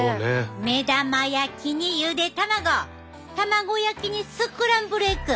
目玉焼きにゆで卵卵焼きにスクランブルエッグ！